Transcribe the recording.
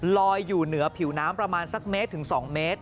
ลอยอยู่เหนือผิวน้ำประมาณสักเมตรถึง๒เมตร